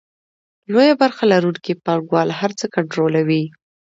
لویه برخه لرونکي پانګوال هر څه کنټرولوي